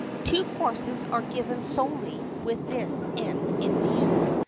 Two courses are given solely with this end in view.